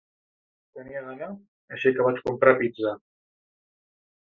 Tenia gana, així que vaig comprar pizza.